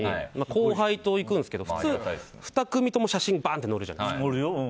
後輩と行くんですけど普通、２組とも写真載るじゃないですか。